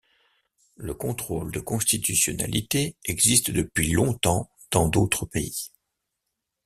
Le contrôle de constitutionnalité existe depuis longtemps dans d’autres pays.